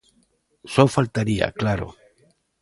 ¡Só faltaría, claro!